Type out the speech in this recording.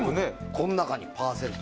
この中に。